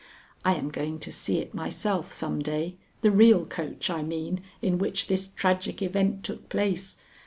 I am going to see it myself some day, the real coach, I mean, in which this tragic event took place.